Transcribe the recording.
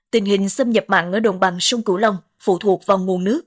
tình hình xâm nhập mặn ở đồng bằng sông cửu long phụ thuộc vào nguồn nước